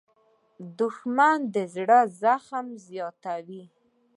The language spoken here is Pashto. دښمن د زړه زخم زیاتوي